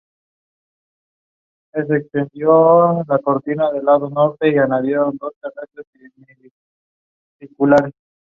Su principal afluente es el río Purgatorio.